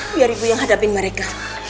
biar ibu yang hadapin mereka